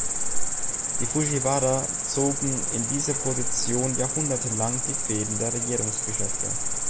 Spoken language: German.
Die Fujiwara zogen in dieser Position jahrhundertelang die Fäden der Regierungsgeschäfte.